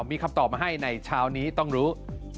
มีคำตอบมาให้ในเช้านี้ต้องรู้